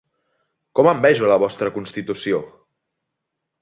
Com envejo la vostra constitució!